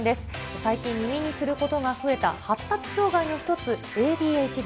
最近、耳にすることが増えた発達障害の一つ、ＡＤＨＤ。